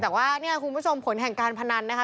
แต่ว่าเนี่ยคุณผู้ชมผลแห่งการพนันนะคะ